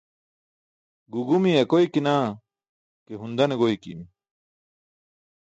Guu gumiye akoykina ke hun dane goykimi